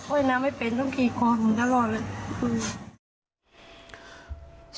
ว่ายน้ำไม่เป็นต้องกี่คนตลอดแบบอืม